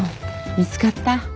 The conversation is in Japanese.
見つかった？